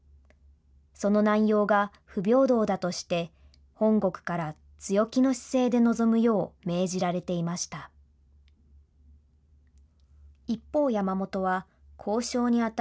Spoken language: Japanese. その内容が不平等だとして、本国から強気の姿勢で臨むよう命じられていました。